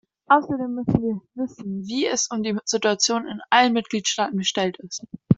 Außerdem müssen wir wissen, wie es um die Situation in allen Mitgliedstaaten bestellt ist.